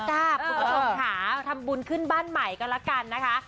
คุณผู้ชมค่ะทำบุญขึ้นบ้านใหม่ก็แล้วกันนะคะ